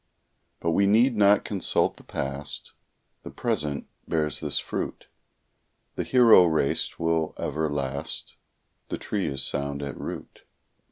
But we need not consult the past; The present bears this fruit: The hero race will ever last; The tree is sound at root.